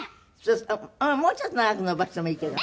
もうちょっと長く伸ばしてもいいけど。